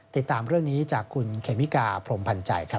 ติดตามเรื่องนี้จากคุณเคมิกาพรมพันธ์ใจครับ